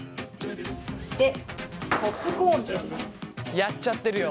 そしてやっちゃってるよ。